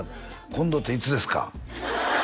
「今度っていつですか？」